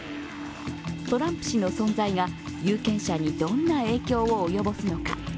トランプ氏の存在が有権者にどんな影響を及ぼすのか。